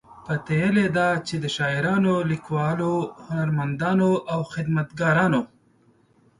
پتیلې ده چې د شاعرانو، لیکوالو، هنرمندانو او خدمتګارانو